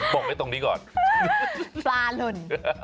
บอกได้ตรงนี้ก่อนปลาหล่น